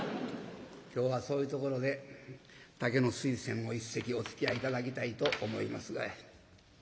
今日はそういうところで「竹の水仙」を一席おつきあい頂きたいと思いますが。